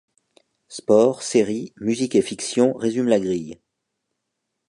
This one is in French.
Sport, séries, musique et fiction résument la grille.